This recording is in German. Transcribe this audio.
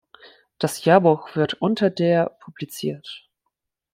Das Jahrbuch wird unter der publiziert.